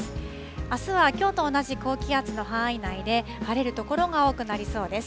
あすはきょうと同じ高気圧の範囲内で晴れるところが多くなりそうです。